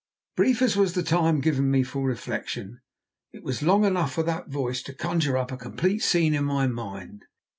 Brief as was the time given me for reflection, it was long enough for that voice to conjure up a complete scene in my mind.